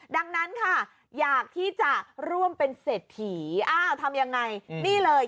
ดังนั้นค่ะอยากที่จะร่วมเป็นเศรษฐีอ้าวทำยังไงนี่เลย